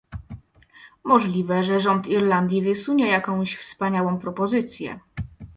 Możliwe, że rząd Irlandii wysunie jakąś wspaniałą propozycję